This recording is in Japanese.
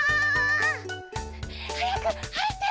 はやくはいって！